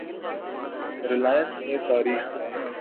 Reliance نے تاریخ